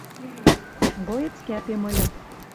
Млоец кӓпем ыльы